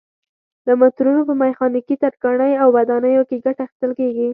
له مترونو په میخانیکي، ترکاڼۍ او ودانیو کې ګټه اخیستل کېږي.